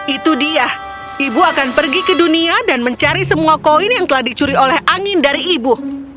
itu dia ibu akan pergi ke dunia dan mencari semua koin yang telah dicuri oleh angin dari ibu